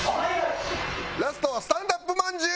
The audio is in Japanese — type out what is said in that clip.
ラストはスタンダップまんじゅう！